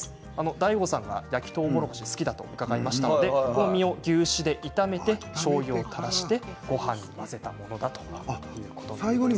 ＤＡＩＧＯさんが焼きとうもろこし好きだと伺いましたので牛脂で炒めてしょうゆを垂らして、ごはんに混ぜたものだということです。